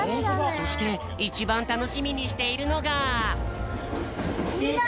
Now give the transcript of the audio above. そしていちばんたのしみにしているのが。